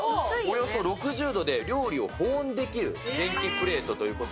およそ６０度で料理を保温できる電気プレートということで。